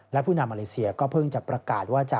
และผู้นำมาเลเซียก็เพิ่งจะประกาศว่าจะ